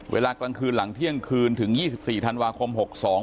เวลากลางคืนหลังเที่ยงคืนถึง๒๔ธันวาคม๖๒